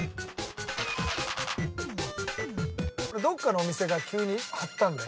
どっかのお店が急に貼った。